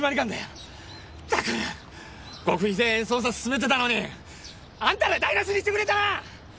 ったく極秘で捜査進めてたのにあんたら台無しにしてくれたな！